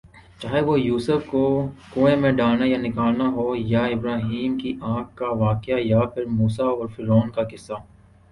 چاہے وہ یوسف ؑ کو کنویں میں ڈالنا یا نکالنا ہوا یا ابراھیمؑ کی آگ کا واقعہ یا پھر موسیؑ کا اور فرعون کا قصہ